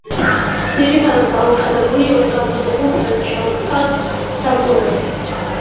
ძირითადად გამოიყენება ორგანიზებულ დანაშაულთან საბრძოლველად.